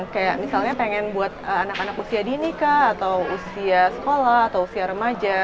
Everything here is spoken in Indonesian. kayak misalnya pengen buat anak anak usia dini kah atau usia sekolah atau usia remaja